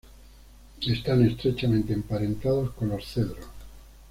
Están estrechamente emparentados con los cedros.